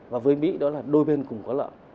và với mỹ đó là đôi bên cùng có lợi